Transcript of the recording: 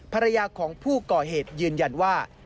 ภรรยาของผู้ก่อเหตุยืนยันว่า